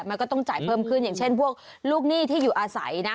มันก็ต้องจ่ายเพิ่มขึ้นอย่างเช่นพวกลูกหนี้ที่อยู่อาศัยนะ